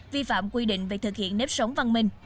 vi phạm quy định về thực hiện nếp sống văn minh